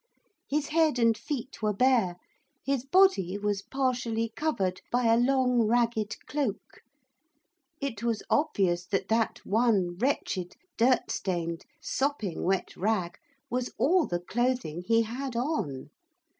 His head and feet were bare. His body was partially covered by a long ragged cloak. It was obvious that that one wretched, dirt stained, sopping wet rag was all the clothing he had on.